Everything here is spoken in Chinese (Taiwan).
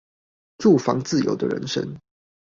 住房自由的人生